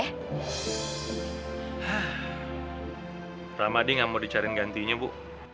hah ramadi nggak mau dicariin gantinya bu